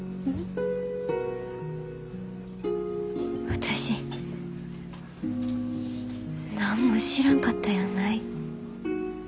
私何も知らんかったんやない。